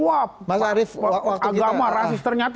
wah agama rasis ternyata